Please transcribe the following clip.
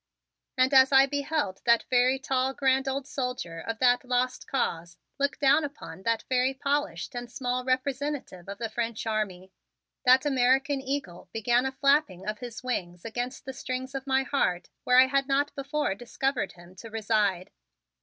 And as I beheld that very tall grand old soldier of that Lost Cause look down upon that very polished and small representative of the French army, that American eagle began a flapping of his wings against the strings of my heart where I had not before discovered him to reside.